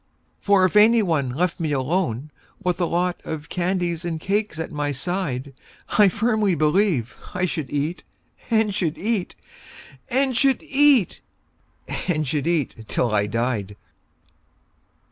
For if any one left me alone with a lot Of candies and cakes at my side, I firmly believe I should eat, and should eat, And should eat, and should eat, till I died.